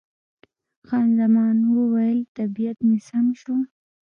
خان زمان وویل، طبیعت مې سم شو.